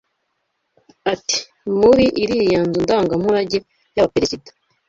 Ati “Muri iriya nzu ndangamurage y’abaperezida